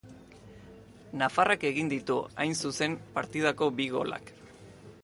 Nafarrak egin ditu, hain zuzen, partidako bi golak.